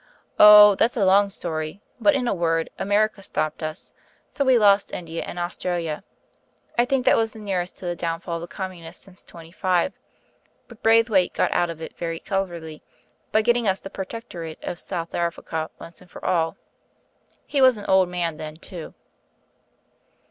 "Oh! that's a long story; but, in a word, America stopped us; so we lost India and Australia. I think that was the nearest to the downfall of the Communists since '25. But Braithwaite got out of it very cleverly by getting us the protectorate of South Africa once and for all. He was an old man then, too."